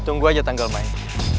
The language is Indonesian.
tunggu aja tanggal main